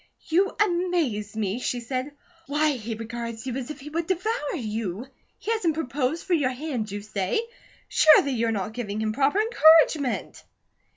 "You amaze me," she said. "Why, he regards you as if he would devour you. He hasn't proposed for your hand, you say? Surely you're not giving him proper encouragement!"